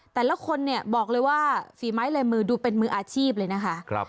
แต่ละคนเนี่ยบอกเลยว่าฝีไม้ลายมือดูเป็นมืออาชีพเลยนะคะ